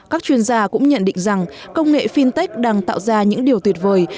các chuyên gia cũng nhận định rằng công nghệ fintech đang tạo ra những điều tuyệt vời